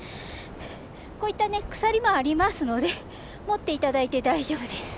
こういったね鎖もありますので持って頂いて大丈夫です。